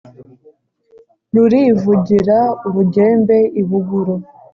Rurivugira urugembe i Buguru.